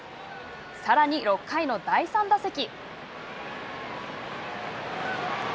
さらに、６回の第３打席。